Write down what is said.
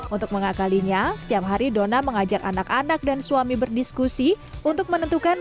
untuk mengakalinya setiap hari dona mengajak anak anak dan suami berdiskusi untuk menentukan